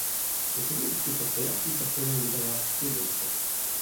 Коцюбинський постояв кілька хвилин біля нас і вийшов.